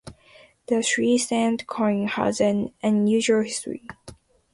The three-cent coin has an unusual history.